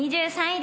２３位？